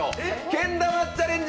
けん玉チャレンジ